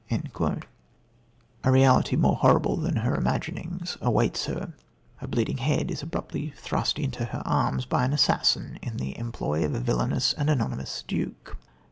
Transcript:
A reality more horrible than her imaginings awaits her. A bleeding head is abruptly thrust into her arms by an assassin in the employ of a villainous and anonymous "duke."